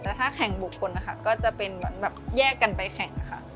แต่ถ้าแข่งบุคคลนะคะก็จะเป็นเหมือนแบบแยกกันไปแข่งค่ะ